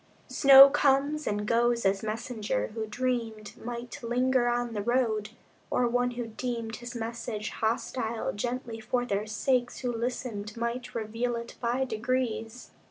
Snow comes and goes as messenger who dreamed Might linger on the road; or one who deemed His message hostile gently for their sakes Who listened might reveal it by degrees.